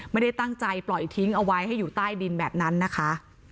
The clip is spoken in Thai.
ไม่ได้ตั้งใจปล่อยทิ้งเอาไว้ให้อยู่ใต้ดินแบบนั้นนะคะ